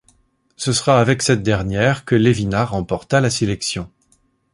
Ce sera avec cette dernière que Levina remporta la sélection.